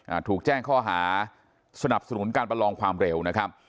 อ่าถูกแจ้งข้อหาสนับสนุนการประลองความเร็วนะครับ